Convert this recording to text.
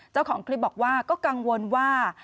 เจ้าของคลิปบอกว่าก็กังวลว่า